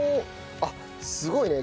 あっすごいね。